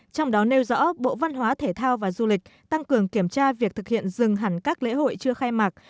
trong đó nêu rõ bộ văn hóa thể thao và du lịch tăng cường kiểm tra việc thực hiện dừng hẳn các lễ hội chưa khai mạc